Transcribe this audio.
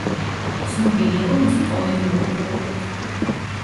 ცნობილი იყო მისი კომედიური როლებით.